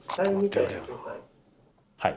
はい。